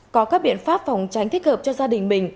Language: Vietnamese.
có các biện pháp phòng tránh thích hợp cho gia đình mình